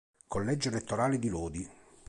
Collegio elettorale di Lodi